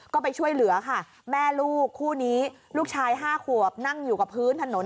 ก็ไปช่วยเหลือค่ะแม่ลูกคู่นี้ลูกชาย๕ขวบนั่งอยู่กับพื้นถนน